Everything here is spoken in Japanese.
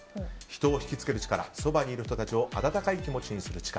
人をひきつける力そばにいる人たちを温かい気持ちにする力。